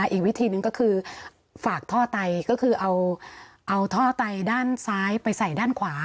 อีกวิธีหนึ่งก็คือฝากท่อไตก็คือเอาท่อไตด้านซ้ายไปใส่ด้านขวา